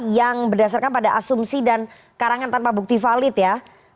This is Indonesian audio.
yang berdasarkan pada asumsi dan karangan tanpa bukti valid ya